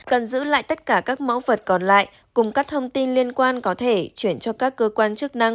cần giữ lại tất cả các mẫu vật còn lại cùng các thông tin liên quan có thể chuyển cho các cơ quan chức năng